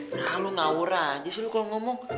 nah lu ngawur aja sih lu kalau ngomong